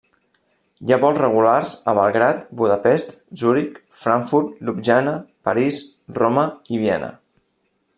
Hi ha vols regulars a Belgrad, Budapest, Zuric, Frankfurt, Ljubljana, París, Roma i Viena.